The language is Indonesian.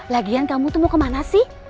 lagian kamu tuh mau kemana sih